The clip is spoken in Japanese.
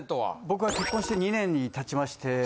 僕は結婚して２年経ちまして。